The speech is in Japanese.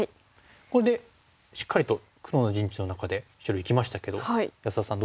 これでしっかりと黒の陣地の中で白生きましたけど安田さん